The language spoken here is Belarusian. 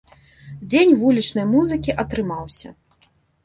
Дзень вулічнай музыкі атрымаўся.